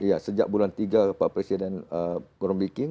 iya sejak bulan tiga pak presiden ground breaking